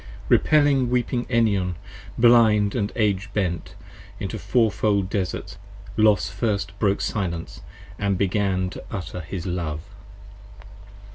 p. 87 REPELLING weeping Enion, blind & age bent, into the fourfold Desarts, Los first broke silence & began to utter his love.